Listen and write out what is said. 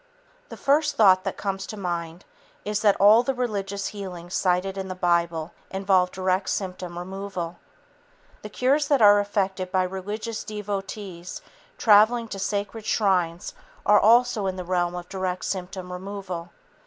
The first thought that comes to mind is that all the religious healings cited in the Bible involve direct symptom removal. The cures that are effected by religious devotees traveling to sacred shrines are also in the realm of direct symptom removal.